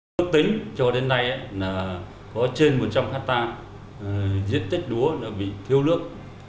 nước tính cho đến nay là có trên một trăm linh hectare diết tích lúa bị thiếu nước